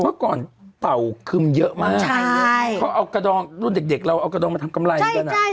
เมื่อก่อนเต่าคึมเยอะมากเขาเอากระดองรุ่นเด็กเราเอากระดองมาทำกำไรกัน